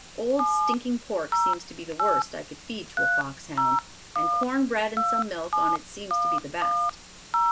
Old stinking pork seems to be the worst I could feed to a fox hound, and corn bread and some milk on it seems to be the best.